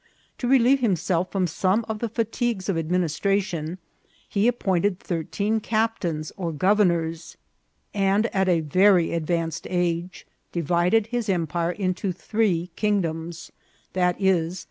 To relieve himself from some of the fatigues of administra tion, he appointed thirteen captains or governors, and at a very advanced age divided his empire into three king doms, viz.